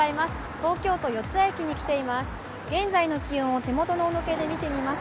東京都・四ツ谷駅に来ています。